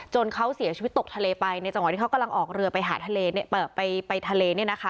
เขาเสียชีวิตตกทะเลไปในจังหวะที่เขากำลังออกเรือไปหาไปทะเล